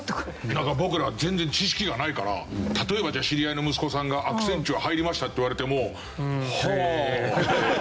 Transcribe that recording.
だから僕らは全然知識がないから例えば知り合いの息子さんがアクセンチュア入りましたって言われても「はあ」って。